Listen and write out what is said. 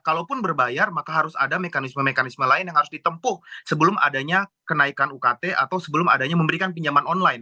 kalaupun berbayar maka harus ada mekanisme mekanisme lain yang harus ditempuh sebelum adanya kenaikan ukt atau sebelum adanya memberikan pinjaman online